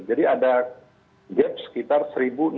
jadi ada gap sekitar rp satu enam ratus lima puluh triliun